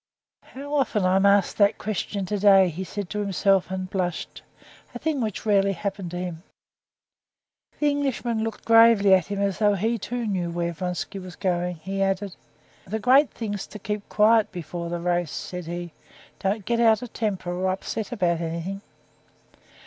"How often I'm asked that question today!" he said to himself, and he blushed, a thing which rarely happened to him. The Englishman looked gravely at him; and, as though he, too, knew where Vronsky was going, he added: "The great thing's to keep quiet before a race," said he; "don't get out of temper or upset about anything."